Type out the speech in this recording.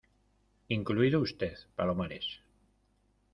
incluido usted, Palomares.